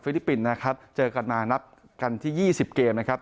ลิปปินส์นะครับเจอกันมานับกันที่๒๐เกมนะครับ